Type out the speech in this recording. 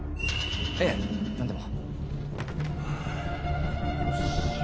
いえ何でも。